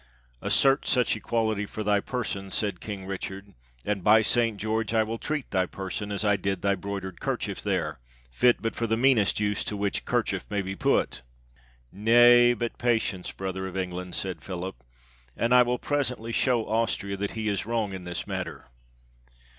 "Assert such equality for thy person," said King Richard, "and, by St. George, I will treat thy person as I did thy broidered kerchief there, fit but for the meanest use to which kerchief may be put." "Nay, but patience, brother of England," said Philip, "and I will presently show Austria that he is wrong in this matter.